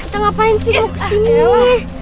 kita ngapain sih mau kesini